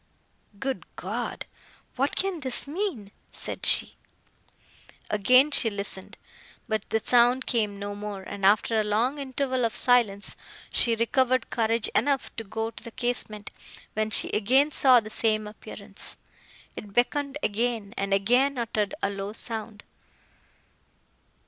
"Good God!—what can this mean!" said she. Again she listened, but the sound came no more; and, after a long interval of silence, she recovered courage enough to go to the casement, when she again saw the same appearance! It beckoned again, and again uttered a low sound.